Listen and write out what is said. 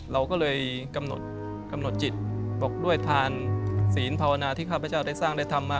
เราก็เลยกำหนดจิตบอกด้วยทานศีลภาวนาที่ข้าพเจ้าได้สร้างได้ทำมา